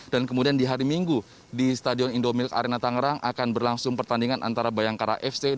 dan kemudian di hari minggu di stadion indomilk arena tangerang akan berlangsung pertandingan antara bayangkara fc dan persidatangerang